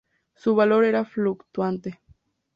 Su valor era fluctuante.